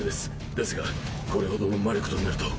ですがこれほどの魔力となると。